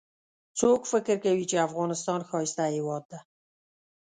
څوک فکر کوي چې افغانستان ښایسته هیواد ده